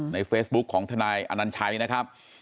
ในเฟซบุ๊คของทนายอนัญชัยนะครับ